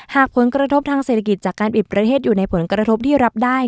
หากผลกระทบทางเศรษฐกิจจากการปิดประเทศอยู่ในผลกระทบที่รับได้